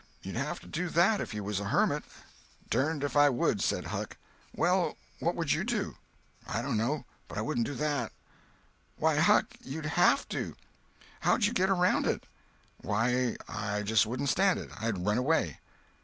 You'd have to do that if you was a hermit." "Dern'd if I would," said Huck. "Well, what would you do?" "I dono. But I wouldn't do that." "Why, Huck, you'd have to. How'd you get around it?" "Why, I just wouldn't stand it. I'd run away."